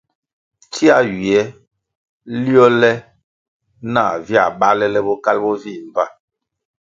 Tsia nywie liole nah via bālè le Bokalʼ bo vih mbpa.